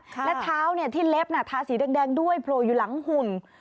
และเท้าที่เล็บทาสีแดงด้วยโผล่อยู่หลังหุ่น